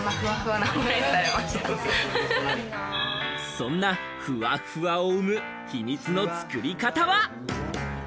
そんな、ふわっふわを生む秘密の作り方は。